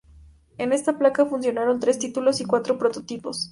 En esta placa funcionaron tres títulos y cuatro prototipos.